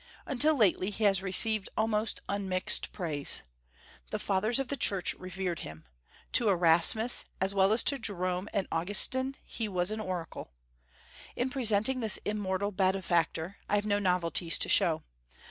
Until lately he has received almost unmixed praise. The Fathers of the Church revered him. To Erasmus, as well as to Jerome and Augustine, he was an oracle. In presenting this immortal benefactor, I have no novelties to show.